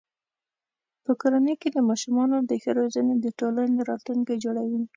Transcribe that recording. په کورنۍ کې د ماشومانو ښه روزنه د ټولنې راتلونکی جوړوي.